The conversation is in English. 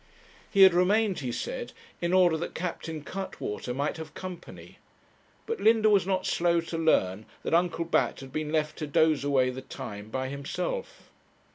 He had remained, he said, in order that Captain Cuttwater might have company; but Linda was not slow to learn that Uncle Bat had been left to doze away the time by himself.